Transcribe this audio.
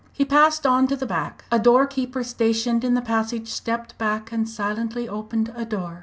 He passed on to the back. A door keeper stationed in the passage stepped back and silently opened a door.